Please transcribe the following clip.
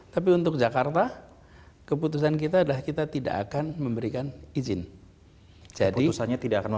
jika tidak keputusan saya adalah tidak akan memberikan izin